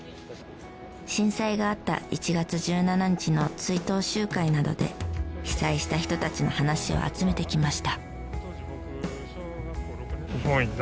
震災があった１月１７日の追悼集会などで被災した人たちの話を集めてきました。